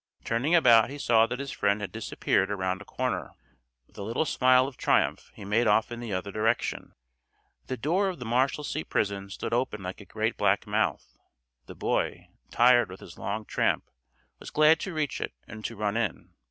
Turning about he saw that his friend had disappeared around a corner. With a little smile of triumph he made off in the other direction. The door of the Marshalsea Prison stood open like a great black mouth. The boy, tired with his long tramp, was glad to reach it and to run in.